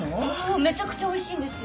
めちゃくちゃおいしいんですよ。